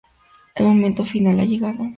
El momento final ha llegado.